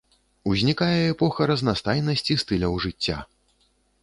Узнікае эпоха разнастайнасці стыляў жыцця.